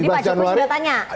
jadi pak jokowi sudah tanya